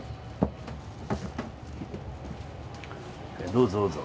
どうぞどうぞ。